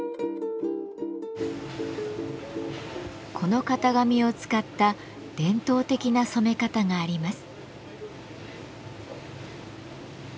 この型紙を使った伝統的な染め方があります。